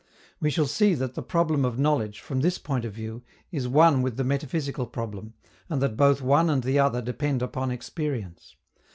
We shall see that the problem of knowledge, from this point of view, is one with the metaphysical problem, and that both one and the other depend upon experience.